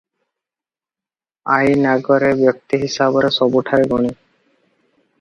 ଆଇନ ଆଗରେ ବ୍ୟକ୍ତି ହିସାବରେ ସବୁଠାରେ ଗଣୀ ।